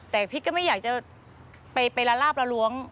แต่พีชก็ไม่อยากจะไปละลาบละล้วง